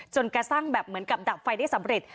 กระทั่งแบบเหมือนกับดับไฟได้สำเร็จ